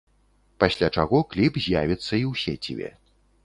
Пасля чаго кліп з'явіцца і ў сеціве.